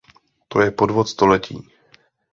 To je podvod století!